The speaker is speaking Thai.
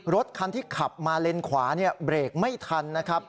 รถคันที่ขับมาเลนขวาเบรกไม่ทันนะครับ